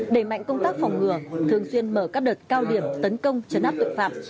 đẩy mạnh công tác phòng ngừa thường xuyên mở các đợt cao điểm tấn công chấn áp tội phạm